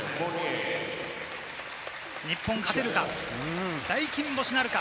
日本勝てるか。